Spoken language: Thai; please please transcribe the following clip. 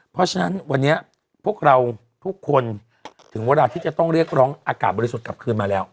เพราะฉะนั้นวันนี้พวกเราทุกคนถึงเวลาที่จะต้องเรียกร้องอากาศบริสุทธิ์กลับคืนมาแล้ว